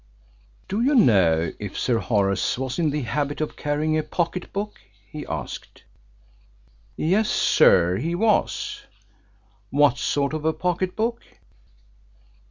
"Do you know if Sir Horace was in the habit of carrying a pocket book?" he asked. "Yes, sir; he was." "What sort of a pocket book?"